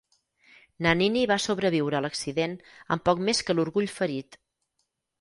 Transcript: Nannini va sobreviure a l'accident amb poc més que l'orgull ferit.